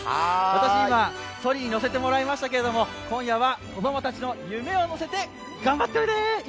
私は今、そりに乗せてもらいましたけれども、今夜は子供たちの夢を乗せて頑張っておいで！